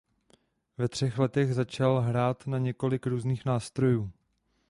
Ve třech letech začal hrát na několik různých nástrojů.